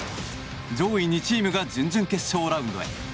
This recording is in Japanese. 上位２チームが準々決勝ラウンドへ。